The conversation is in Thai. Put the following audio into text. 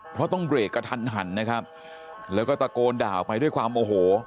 เพราะต้องเบรกกระทันหันนะครับแล้วก็ตะโกนด่าไปด้วยความโอโห